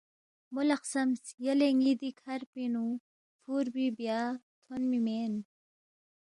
مو لہ خسمس، یلے ن٘ی دی کھر پِنگ نُو فُوربی بیہ تھونمی مین